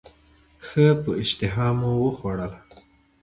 ښه په اشتهامو وخوړله.